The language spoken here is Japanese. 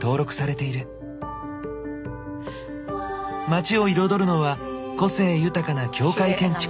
街を彩るのは個性豊かな教会建築。